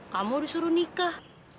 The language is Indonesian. kamu disuruh nikah